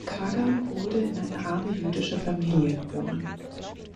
Kagan wurde in eine arme jüdische Familie geboren.